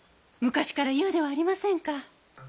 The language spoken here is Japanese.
昔から言うではありませんか。